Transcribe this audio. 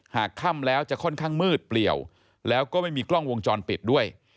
ค่ำแล้วจะค่อนข้างมืดเปลี่ยวแล้วก็ไม่มีกล้องวงจรปิดด้วย